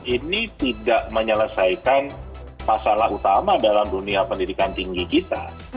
ini tidak menyelesaikan masalah utama dalam dunia pendidikan tinggi kita